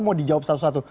mau dijawab satu satu